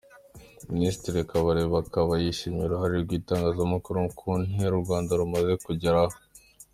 Minisitiri Kabareba akaba yashimye uruhare rw’itangazamakuru ku ntera u Rwanda rumaze kugeraho.